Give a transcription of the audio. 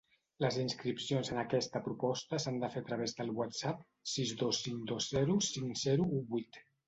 Les inscripcions en aquesta proposta s’han de fer a través del whatsapp sis dos cinc dos zero cinc zero u vuit.